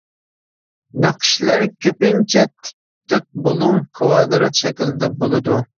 نەقىشلەر كۆپىنچە تىك تۆت بۇلۇڭ، كىۋادرات شەكلىدە بولىدۇ.